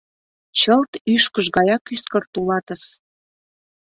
Чылт ӱшкыж гаяк ӱскырт улатыс.